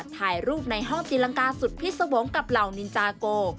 ถ่ายรูปในห้องตีลังกาสุดพิษวงศ์กับเหล่านินจาโก